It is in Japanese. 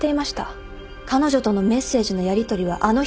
彼女とのメッセージのやりとりはあの日です。